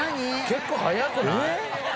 結構速くない？